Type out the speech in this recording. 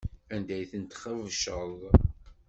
Anda ay tent-txebceḍ?